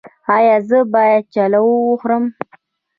ایا زه باید چلو وخورم؟